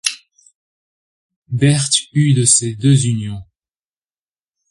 Berthe eut de ses deux unions.